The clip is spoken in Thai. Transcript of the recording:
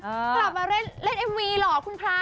กลับมาเล่นเอ็มวีเหรอคุณพระ